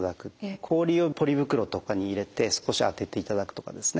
氷をポリ袋とかに入れて少しあてていただくとかですね